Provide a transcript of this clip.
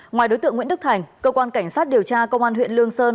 ngoài đối tượng nguyễn đức thành cơ quan cảnh sát điều tra công an huyện lương sơn